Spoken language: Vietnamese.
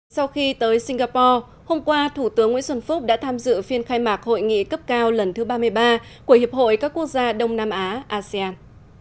sau khi tới singapore hôm qua thủ tướng nguyễn xuân phúc đã tham dự phiên khai mạc hội nghị cấp cao lần thứ ba mươi ba của hiệp hội các quốc gia đông nam á asean